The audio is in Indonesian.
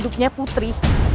dan punya digelute